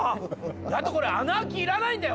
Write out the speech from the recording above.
あとこれ穴あきいらないんだよ